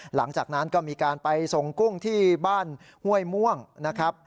หลังจากนั้นก็มีการไปส่งกุ้งที่บ้านห้วยม่วงนะครับ